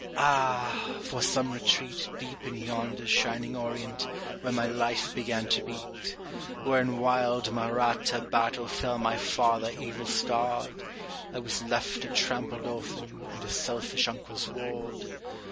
Ah for some retreat Deep in yonder shining Orient, where my life began to beat! Where in wild Mahratta battle fell my father, evil starred; I was left a trampled orphan, and a selfish uncle's ward.